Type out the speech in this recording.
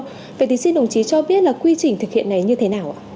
thưa đồng chí xin đồng chí cho biết là quy trình thực hiện này như thế nào ạ